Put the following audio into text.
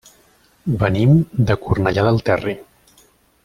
Venim de Cornellà del Terri.